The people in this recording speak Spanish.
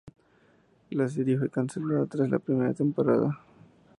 La serie fue cancelada tras la primera temporada.